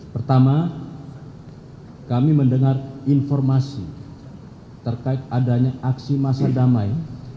pertama kami mendengar informasi terkait adanya aksi masa damai